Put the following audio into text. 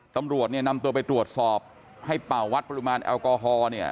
ตำรวจเนี่ยนำตัวไปตรวจสอบให้เป่าวัดปริมาณแอลกอฮอล์เนี่ย